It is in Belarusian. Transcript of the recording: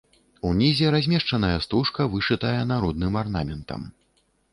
Унізе размешчаная стужка, вышытая народным арнаментам.